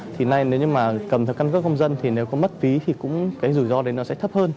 thì nay nếu như mà cầm theo căn cước công dân thì nếu có mất phí thì cũng cái rủi ro đấy nó sẽ thấp hơn